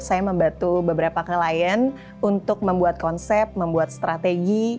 saya membantu beberapa klien untuk membuat konsep membuat strategi